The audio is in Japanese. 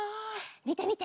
みてみて！